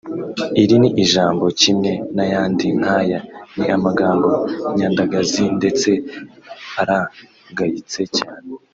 Iri ni jambo kimwe n’ayandi nk’aya ni amagambo nyandagazi ndetse aragayitse cyane